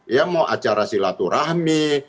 ya mau acara silaturahmi